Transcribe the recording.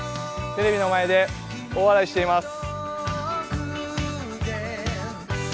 テレビの前で大笑いしています。